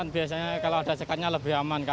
biasanya kalau ada sekatnya lebih aman